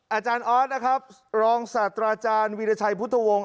อาจารย์ออสนะครับรองศาสตราอาจารย์วีรชัยพุทธวงศ์